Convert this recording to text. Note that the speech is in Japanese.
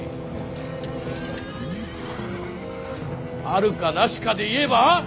あるかなしかで言えば。